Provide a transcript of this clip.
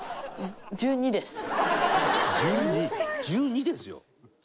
伊達：１２ですよ。